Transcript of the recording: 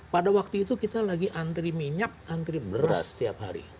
pada waktu itu kita lagi antri minyak antri beras setiap hari